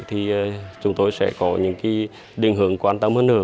thì chúng tôi sẽ có những đường hướng quan tâm hơn nữa